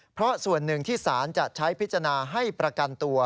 เพราะส่วนหนึ่งที่สารจะใช้พิจารณาให้ประกันตัว